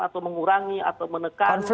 atau mengurangi atau menekan